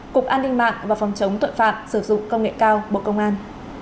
cục an ninh mạng và phòng chống tội phạm sử dụng công nghệ cao bộ công an